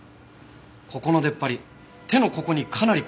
ここの出っ張り手のここにかなり食い込むよ。